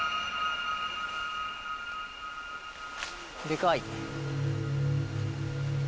でかい！